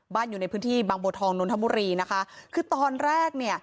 บ้านอยู่ในพื้นที่บังโบทองนทมุรีนะคะคือตอนแรกเนี่ย